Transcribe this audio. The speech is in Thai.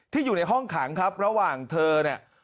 อยู่ในห้องขังครับระหว่างเธอเนี่ย